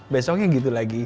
besoknya gitu lagi